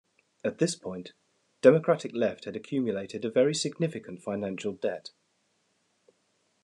At this point, Democratic Left had accumulated a very significant financial debt.